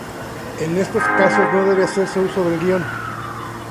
En estos casos no debe hacerse uso del guion.